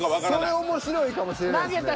それ面白いかもしれないですね。